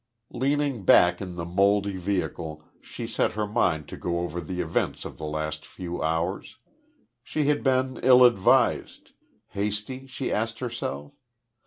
Leaning back in the mouldy vehicle, she set her mind to go over the events of the last few hours. Had she been ill advised, hasty she asked herself?